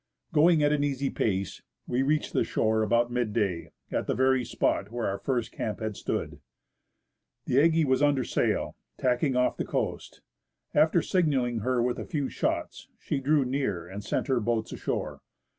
Going at an easy pace, we reached the shore about mid day, at the very spot where our first camp had stood. The Aggie was under sail, tacking off the coast. After sig nalling her with a few shots, she drew near and sent her boats ashore.